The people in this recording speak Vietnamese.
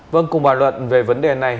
vâng cùng bảo luận về vấn đề này